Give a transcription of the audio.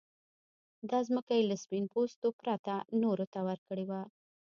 دا ځمکه يې له سپين پوستو پرته نورو ته ورکړې وه.